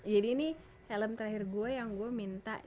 jadi ini helm terakhir gue yang gue minta designing